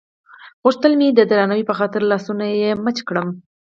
غوښتل مې د درناوي په خاطر لاسونه یې ښکل کړم.